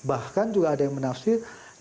bahkan juga ada yang menafsir lembaga politik